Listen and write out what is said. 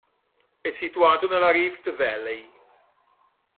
È situato nella Rift Valley.